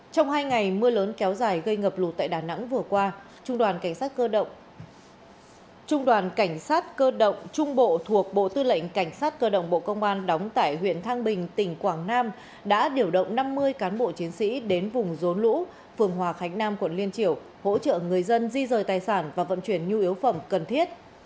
trong hai ngày mưa lớn kéo dài gây ngập lụt tại đà nẵng vừa qua trung đoàn cảnh sát cơ động trung bộ thuộc bộ tư lệnh cảnh sát cơ động bộ công an đóng tại huyện thang bình tỉnh quảng nam đã điều động năm mươi cán bộ chiến sĩ đến vùng rốn lũ phường hòa khánh nam quận liên triều hỗ trợ người dân di rời tài sản và vận chuyển nhu yếu phẩm cần thiết